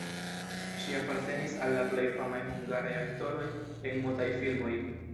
Ŝi apartenis al la plej famaj hungaraj aktoroj en mutaj filmoj.